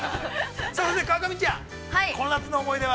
川上ちゃん、この夏の思い出は？